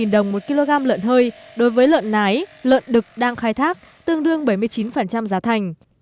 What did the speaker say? đồng một kg lợn hơi đối với lợn nái lợn đực đang khai thác tương đương bảy mươi chín giá thành